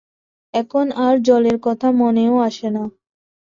এখন আর জলের কথা মনেও আসে না।